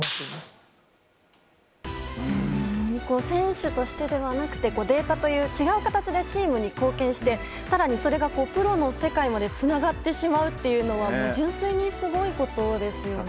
選手としてではなくてデータという、違う形でチームに貢献して更にそれがプロの世界にまでつながってしまうっていうのは純粋にすごいことですよね。